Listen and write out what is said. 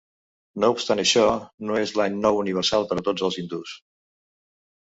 No obstant això, no és l'any nou universal per a tots els hindús.